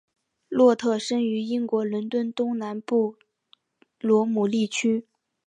洛特生于英国伦敦东南的布罗姆利区。